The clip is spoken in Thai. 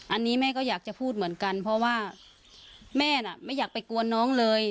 อันนี้แม่ก็อยากจะพูดเหมือนกันเพราะว่าแม่น่ะไม่อยากไปกวนน้องเลย